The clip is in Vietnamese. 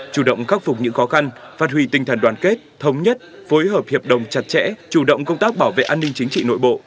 chủ động khắc phục những khó khăn phát huy tinh thần đoàn kết thống nhất phối hợp hiệp đồng chặt chẽ chủ động công tác bảo vệ an ninh chính trị nội bộ